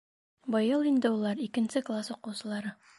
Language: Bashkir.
Быйыл инде улар икенсе класс уҡыусылары.